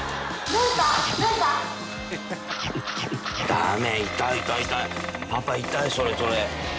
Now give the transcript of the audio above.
駄目痛い痛い痛いパパ痛いそれそれ。